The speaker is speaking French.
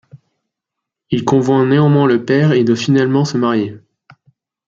Il convainc néanmoins le père et doit finalement se marier.